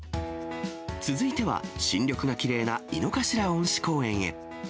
続いては、新緑がきれいな井の頭恩賜公園へ。